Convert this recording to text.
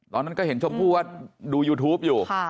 ตอนนั้นก็เห็นชมพู่ว่าดูยูทูปอยู่